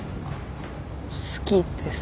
好きです。